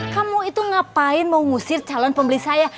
kamu itu ngapain mau ngusir calon pembeli saya